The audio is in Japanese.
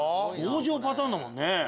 登場パターンだもんね。